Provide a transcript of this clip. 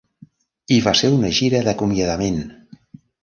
I va ser una gira d'acomiadament.